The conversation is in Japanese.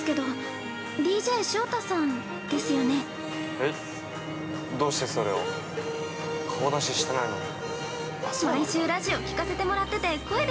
◆えっ、どうしてそれを顔出ししてないのに。